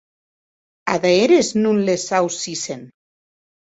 Ada eres non les aucissen.